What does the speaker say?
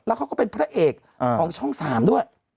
เขาก็เป็นพระเอกของช่อง๓ด้วย